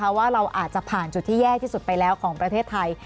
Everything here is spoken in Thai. เพราะว่าเราอาจจะผ่านจุดที่แย่ที่สุดไปแล้วของประเทศไทย